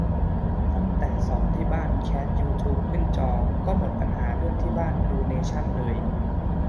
ตั้งแต่สอนที่บ้านแคสยูทูปขึ้นจอก็หมดปัญหาเรื่องที่บ้านดูเนชั่นเลย